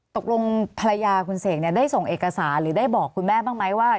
ตกลงภรรยาคุณเสกได้ส่งเอกสารหรือได้บอกคุณแม่บ้างไหมว่า